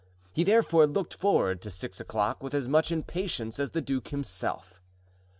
He therefore looked forward to six o'clock with as much impatience as the duke himself.